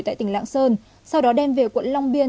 tại tỉnh lạng sơn sau đó đem về quận long biên